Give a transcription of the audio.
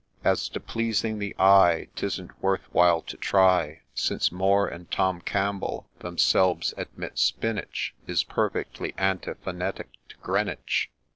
As to pleasing the ' eye," 'Tisn't worth while to try, Since Moore and Tom Campbell themselves admit ' Spinach ' Is perfectly antiphonetic to ' Greenwich.')